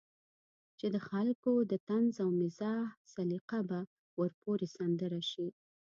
چې د خلکو د طنز او مزاح سليقه به ورپورې سندره شي.